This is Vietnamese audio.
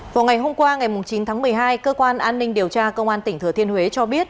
vào ngày hôm qua ngày chín tháng một mươi hai cơ quan an ninh điều tra công an tỉnh thừa thiên huế cho biết